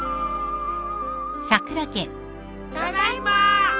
ただいまー！